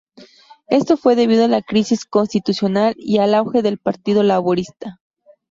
Esto fue debido a la crisis constitucional y al auge del Partido Laborista.